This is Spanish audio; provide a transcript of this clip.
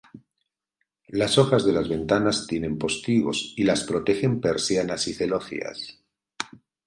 Las hojas de las ventanas tienen postigos y las protegen persianas y celosías.